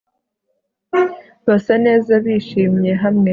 basa neza bishimye hamwe